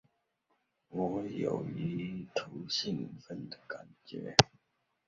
我有一股兴奋的感觉